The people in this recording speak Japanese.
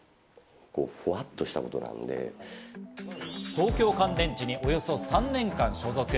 東京乾電池におよそ３年間所属。